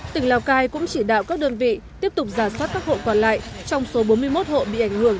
tỉnh lào cai cũng chỉ đạo các đơn vị tiếp tục giả soát các hộ còn lại trong số bốn mươi một hộ bị ảnh hưởng